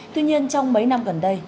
tuy nhiên trong mấy năm gần đây